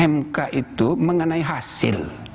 mk itu mengenai hasil